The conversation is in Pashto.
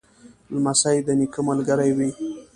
لمسی د نیکه ملګری وي.